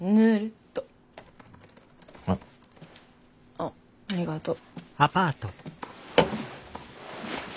あっありがとう。